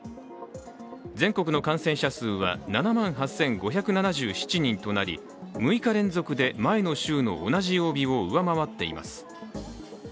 全国の感染者数は７万８５７７人となり６日連続で前の週の同じ曜日を上回っています。